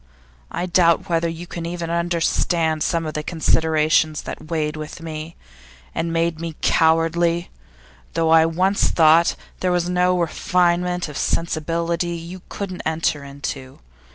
I doubt whether you can even understand some of the considerations that weighed with me, and made me cowardly though I once thought there was no refinement of sensibility that you couldn't enter into.